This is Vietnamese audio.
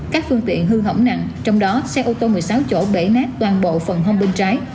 các phương tiện hư hỏng nặng trong đó xe ô tô một mươi sáu chỗ bể nát toàn bộ phần hông bên trái